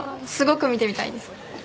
すごく見てみたいです。